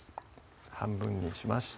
半分にしました